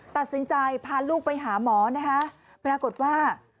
ตัดสินใจพาลูกไปหาหมอนะคะปรากฏว่า